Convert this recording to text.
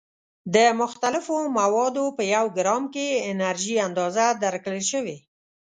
د مختلفو موادو په یو ګرام کې انرژي اندازه درکړل شوې.